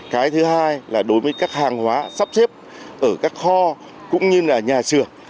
cái thứ hai là đối với các hàng hóa sắp xếp ở các kho cũng như nhà sửa